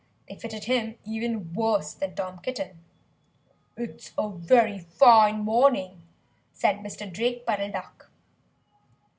_ They fitted him even worse than Tom Kitten. "It's a very fine morning!" said Mr. Drake Puddle Duck.